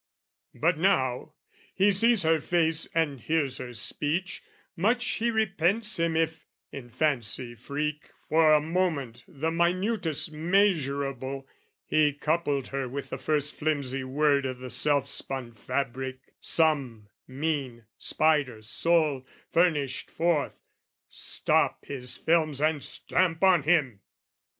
"But, now he sees her face and hears her speech, "Much he repents him if, in fancy freak "For a moment the minutest measurable, "He coupled her with the first flimsy word "O' the self spun fabric some mean spider soul "Furnished forth: stop his films and stamp on him!